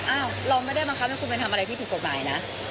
อ้าวเราไม่ได้บังคับให้คุณไปทำอะไรที่ผิดกฎหมายนะ